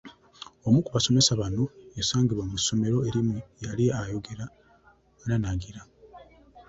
Omu ku basomesa bano eyasangibwa mu ssomero erimu yali ayogera ananaagira.